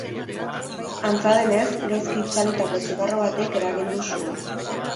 Antza denez, gaizki itzalitako zigarro batek eragin du sua.